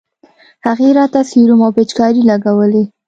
هغې راته سيروم او پيچکارۍ لګولې.